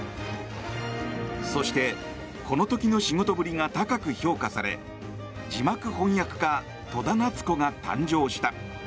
そして、この時の仕事ぶりが高く評価され字幕翻訳家・戸田奈津子が誕生した。